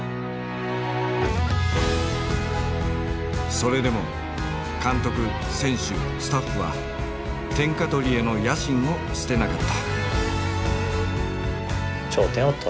それでも監督選手スタッフは天下取りへの野心を捨てなかった。